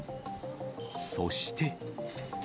そして。